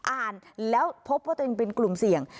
อ่านแล้วพบว่าเป็นกลุ่มเสี่ยง